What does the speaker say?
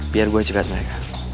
biar gue cekat mereka